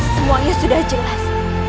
semuanya sudah jelas